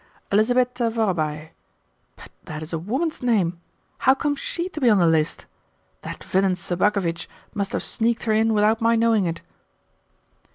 'Elizabeta Vorobei!' But that is a WOMAN'S name! How comes SHE to be on the list? That villain Sobakevitch must have sneaked her in without my knowing it."